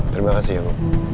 terima kasih ya bu